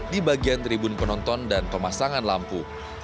di bagian tribun penonton dan pemasangan lampu